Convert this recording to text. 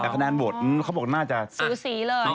เขาบอกน่าจะสิวสีเลย